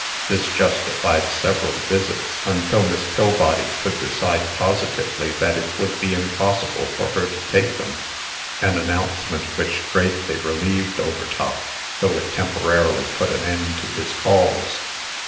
This justified several visits, until Miss Pillbody could decide positively that it would be impossible for her to take them an announcement which greatly relieved Overtop, though it temporarily put an end to his calls.